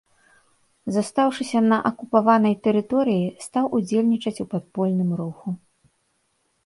Застаўшыся на акупаванай тэрыторыі, стаў удзельнічаць у падпольным руху.